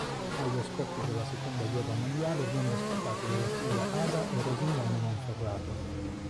Allo scoppio della seconda guerra mondiale viene ospitato dalla figlia Ada e Rosignano Monferrato.